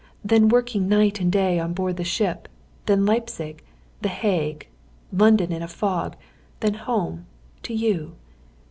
Then working night and day on board ship, then Leipzig, the Hague, London in a fog; then home to you.